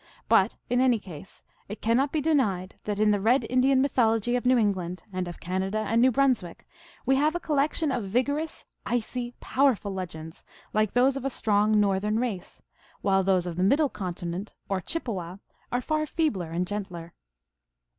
But in any case it cannot be denied that in the red Indian mythology of New England, and of Canada and New Bruns wick, we have a collection of vigorous, icy, powerful legends, like those of a strong northern race, while those of the middle continent, or Chippewa, are far feebler and gentler.